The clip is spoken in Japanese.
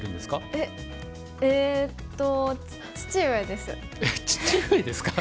えっ父上ですか？